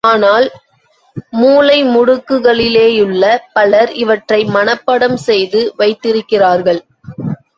ஆனால், மூலை முடுக்குகளிலேயுள்ள பலர் இவற்றை மனப்பாடம் செய்து வைத்திருக்கிறார்கள்.